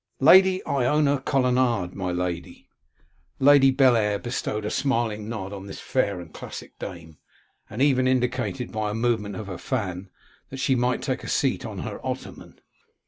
'Lady Ionia Colonnade, my lady.' Lady Bellair bestowed a smiling nod on this fair and classic dame, and even indicated, by a movement of her fan, that she might take a seat on her ottoman.